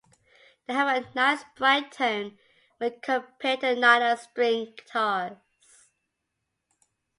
They have a nice, bright tone when compared to nylon string guitars.